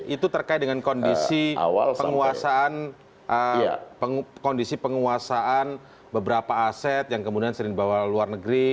itu terkait dengan kondisi penguasaan beberapa aset yang kemudian sering dibawa luar negeri